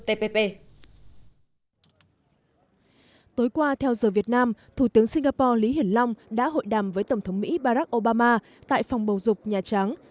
tối qua theo giờ việt nam thủ tướng singapore lý hiển long đã hội đàm với tổng thống mỹ barack obama tại phòng bầu dục nhà trắng